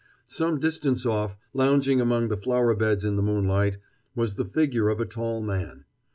Some distance off, lounging among the flower beds in the moonlight, was the figure of a tall man.